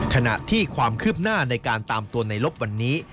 ขณะที่ความคืบหน้าในการตามตัวในลบวันนี้